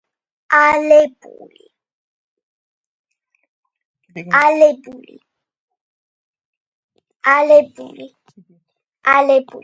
აალებული